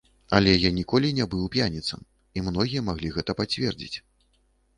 Але я ніколі не быў п'яніцам, і многія маглі гэта пацвердзіць.